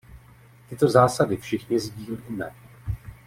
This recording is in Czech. Tyto zásady všichni sdílíme.